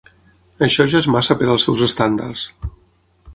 Això ja és massa per als seus estàndards.